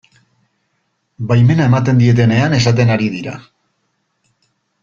Baimena ematen dietenean esaten ari dira.